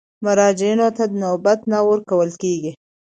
مراجعینو ته نوبت نه ورکول کېږي.